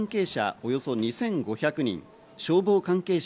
およそ２５００人、消防関係者